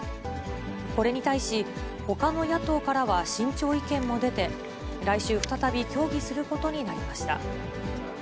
これに対し、ほかの野党からは慎重意見も出て、来週、再び協議することになりました。